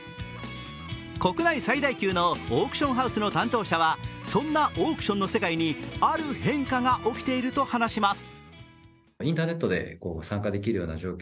国内最大級のオークションハウスの担当者はそんなオークションの世界にある変化が起きていると話します。